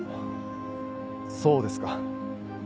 そうですか。